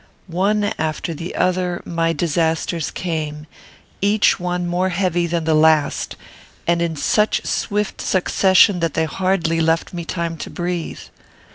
One after the other my disasters came, each one more heavy than the last, and in such swift succession that they hardly left me time to breathe.